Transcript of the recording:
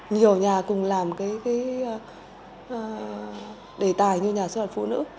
nhiều nhà cùng làm cái đề tài như nhà xuất bản phụ nữ